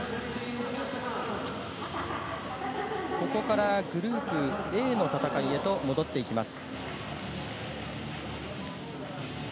ここからグループＡの戦いへと戻っていきます。